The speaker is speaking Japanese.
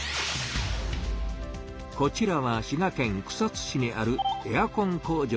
こちらは滋賀県草津市にあるエアコン工場です。